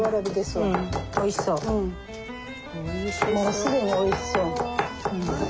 もう既においしそう。